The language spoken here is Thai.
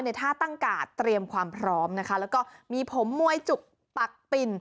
ท่าตั้งกาดเตรียมความพร้อมนะคะแล้วก็มีผมมวยจุกปักปิ่น